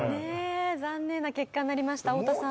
残念な結果になりました、太田さん。